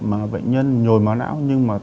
mà bệnh nhân nhồi máu não nhưng mà